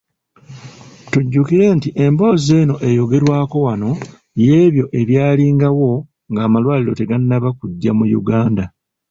Tujjukire nti emboozi eno eyogerwako wano y’ebyo ebyalingawo ng’amalwaliro tegannaba kujja mu Uganda.